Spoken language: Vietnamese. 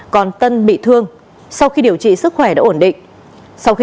còn tân bị thương sau khi điều trị sức khỏe đã ổn định